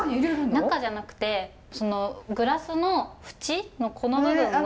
中じゃなくてグラスの縁のこの部分を。